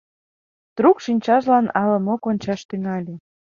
Трук шинчажлан ала-мо кончаш тӱҥале.